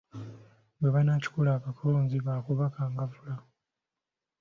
Bwe banaakikola abalonzi baakubakangavvula.